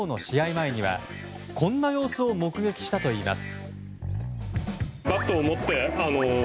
前には、こんな様子を目撃したといいます。